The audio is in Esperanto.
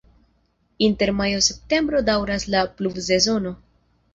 Inter majo-septembro daŭras la pluvsezono.